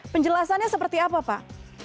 penjelasannya seperti apa pak